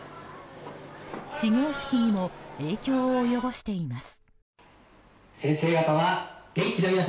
始業式にも影響を及ぼしています。